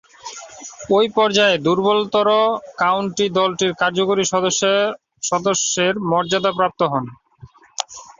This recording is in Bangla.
ঐ পর্যায়ে দূর্বলতর কাউন্টি দলটির কার্যকরী সদস্যের মর্যাদাপ্রাপ্ত হন।